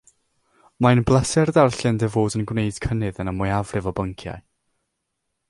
Mae'n bleser darllen dy fod yn gwneud cynnydd yn y mwyafrif o bynciau